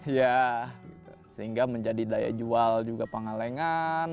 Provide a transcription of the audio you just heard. ya sehingga menjadi daya jual juga pangalengan